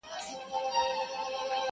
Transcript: زه د نصیب له فیصلو وم بېخبره روان٫